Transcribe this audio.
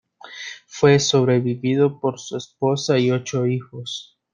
Fue sobrevivido por su esposa y ocho hijos.